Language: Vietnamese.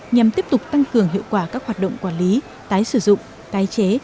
nhằm tiếp tục tăng cường hiệu quả các hoạt động quản lý tái sử dụng tái chế